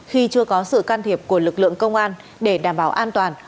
khi chưa có sự can thiệp của lực lượng công an để đảm bảo an toàn